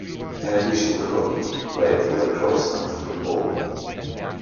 In addition to hockey, he played lacrosse and football.